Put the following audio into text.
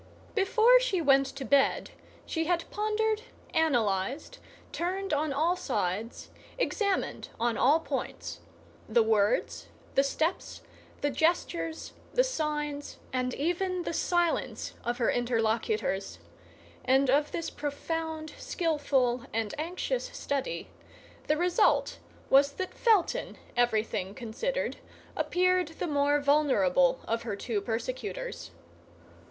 Before she went to bed she had pondered, analyzed, turned on all sides, examined on all points, the words, the steps, the gestures, the signs, and even the silence of her interlocutors; and of this profound, skillful, and anxious study the result was that Felton, everything considered, appeared the more vulnerable of her two persecutors.